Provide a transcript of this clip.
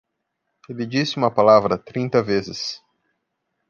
Ele disse uma palavra trinta vezes.